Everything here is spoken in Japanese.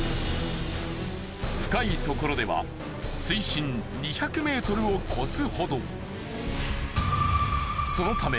深いところでは水深２００ｍを超すほど。